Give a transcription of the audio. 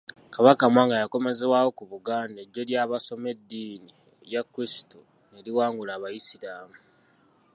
Kabaka Mwanga yakomezebwawo ku Buganda, eggye lye ery'abasoma eddiini ya Kristu ne liwangula Abaisiraamu.